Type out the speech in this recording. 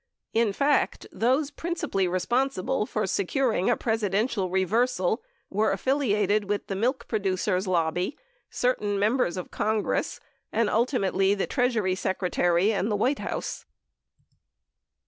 In fact, those principally responsible for securing a Presidential reversal were affiliated with the milk producers' lobby, certain Mem bers of Congress and, ultimately, the Treasury Secretary and the White House.